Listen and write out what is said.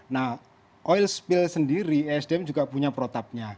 nah oil spill sendiri esdm juga punya protapnya